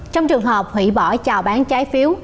trong trường hợp hủy bỏ chào bán trái phiếu